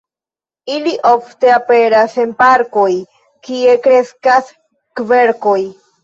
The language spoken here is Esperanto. Ili ofte aperas en parkoj, kie kreskas kverkoj.